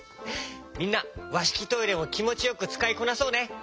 みんなわしきトイレもきもちよくつかいこなそうね！